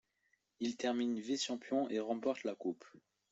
Il termine vice-champion et remporte la Coupe.